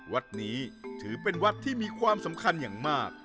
วัดนี้ถือเป็นวัดที่มีความสำคัญอย่างมาก